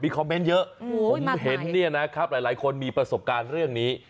คอมเมนต์เยอะผมเห็นเนี่ยนะครับหลายคนมีประสบการณ์เรื่องนี้